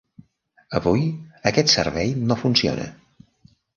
Avui, aquest servei no funciona.